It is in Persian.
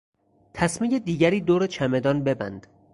تسمهی دیگری دور چمدان ببند.